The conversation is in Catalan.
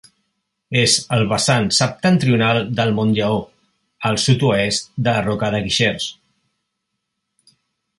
És al vessant septentrional del Montlleó, al sud-oest de la Roca de Guixers.